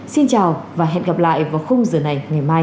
xin chào và hẹn gặp lại vào khung giờ này ngày mai